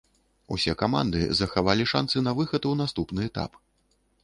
Усе каманды захавалі шанцы на выхад у наступны этап.